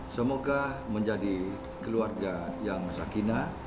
semoga menjadi keluarga yang sakinah